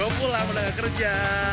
gue pulang udah gak kerja